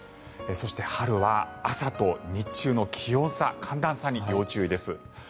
そして、春は朝と日中の気温差、寒暖差に要注意です。